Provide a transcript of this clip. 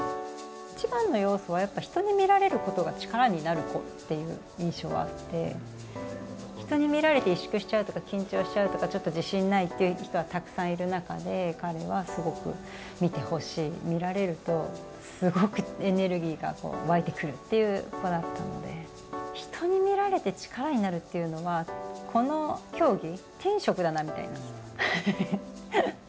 一番の要素はやっぱ人に見られることが力になる子っていう印象があって、人に見られて萎縮しちゃうとか、緊張しちゃうとかちょっと自信ないっていう人はたくさんいる中で、彼はすごく見てほしい、見られるとすごくエネルギーが湧いてくるっていう子だったので、人に見られて力になるっていうのは、この競技、天職だなみたいな。